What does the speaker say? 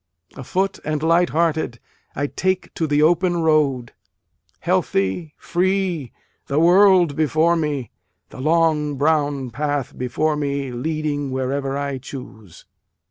Afoot and light hearted, I take to the open road, Healthy, free, the world before me, The long brown path before me, leading wherever I choose.